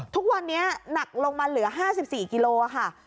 ทุกวันนี้หนักลงมาเหลือ๕๔กิโลค่ะ